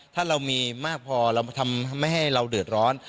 ถ้าเรามีมากพอเราทำให้เราเดือดร้อน